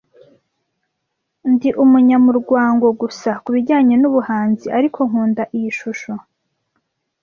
Ndi umunyamurwango gusa kubijyanye n'ubuhanzi, ariko nkunda iyi shusho.